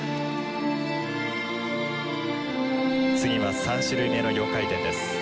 次は３種類目の４回転です。